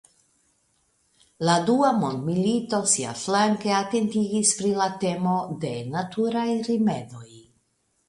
La Dua Mondmilito siaflanke atentigis pri la temo de naturaj rimedoj.